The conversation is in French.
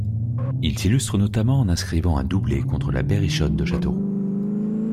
Il s'illustre notamment en inscrivant un doublé contre La Berrichonne de Châteauroux.